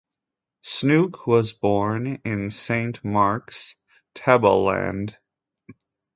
Snooke was born in Saint Mark's, Tembuland.